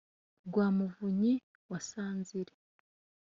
rwa muvunyi wa sanzire